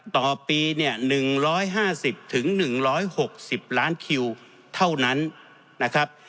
ต่อปีเนี่ย๑๕๐๑๖๐ล้านคิวเท่านั้นนะครับ